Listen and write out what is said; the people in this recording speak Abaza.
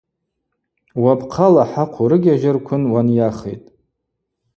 Уапхъала хӏахъв урыгьажьырквын уанйахитӏ.